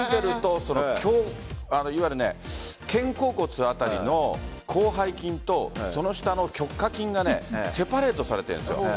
いわゆる肩甲骨あたりの広背筋とその下の直下筋がセパレートされているんです。